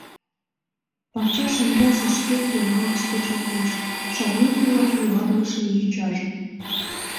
Пакча шеҥгелсе шкет лӱҥгалтыш кечылтеш, Шарнен ила юарлыше йочажым.